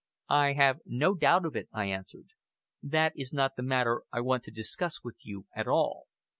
"I have no doubt of it," I answered. "That is not the matter I want to discuss with you at all.